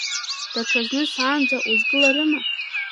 Даҽазны саанӡа узгыларыма?